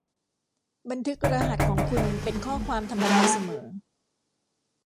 บันทึกรหัสของคุณเป็นข้อความธรรมดาเสมอ